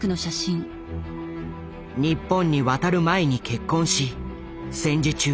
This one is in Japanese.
日本に渡る前に結婚し戦時中